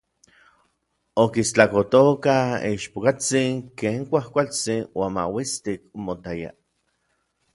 Okistlakojtokaj ichpokatsin ken kuajkualtsin uan mauistik omotaya.